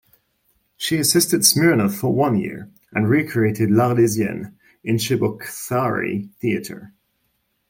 She assisted Smirnov for one year and recreated "L'Arlesienne" in Cheboksary Theatre.